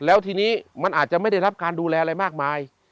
แล้วทีนี้มันอาจจะไม่ได้รับการดูแลอะไรมากมาย